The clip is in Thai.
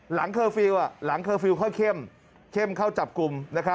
หลังเคอร์ฟิลล์เขาเข้มเข้มเข้าจับกลุ่ม